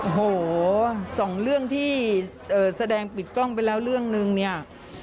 โอ้โหสองเรื่องที่แสดงปิดกล้องไปแล้วเรื่องนึงเนี่ย